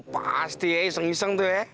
pasti iseng iseng tuh ya